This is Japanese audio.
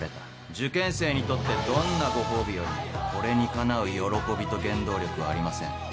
受験生にとってどんなご褒美よりもこれにかなう喜びと原動力はありません。